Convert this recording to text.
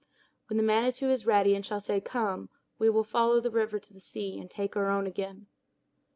When the Manitou is ready and shall say "Come," we will follow the river to the sea, and take our own again.